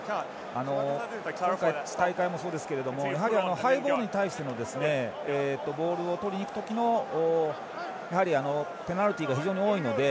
今大会もそうですけどやはり、ハイボールに対してのボールをとりにいく時のペナルティーが非常に多いので。